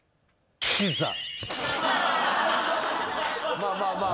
まあまあまあまあ。